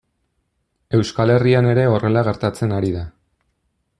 Euskal Herrian ere horrela gertatzen ari da.